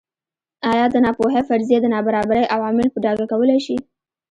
ایا د ناپوهۍ فرضیه د نابرابرۍ عوامل په ډاګه کولای شي.